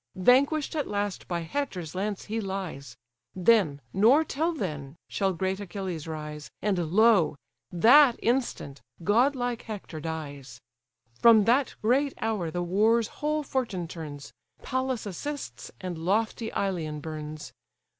Vanquish'd at last by Hector's lance he lies. Then, nor till then, shall great Achilles rise: And lo! that instant, godlike Hector dies. From that great hour the war's whole fortune turns, Pallas assists, and lofty Ilion burns.